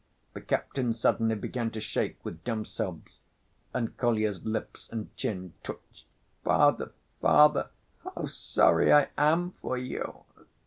The captain suddenly began to shake with dumb sobs, and Kolya's lips and chin twitched. "Father, father! How sorry I am for you!"